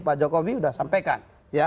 pak jokowi sudah sampaikan